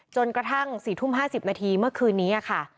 จนกระทั่ง๔ทุ่ม๕๐นาทีเมื่อคืนนี้ค่ะ